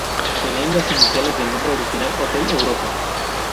Se leen las iniciales del nombre original, Hotel Europa.